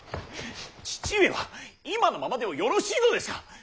父上は今のままでよろしいのですか。